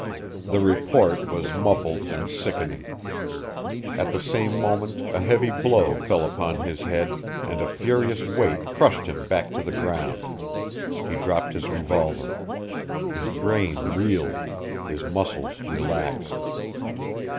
The report was muffled and sickening. At the same moment a heavy blow fell upon his head, and a furious weight crushed him back to the ground. He dropped his revolver. His brain reeled; his muscles relaxed.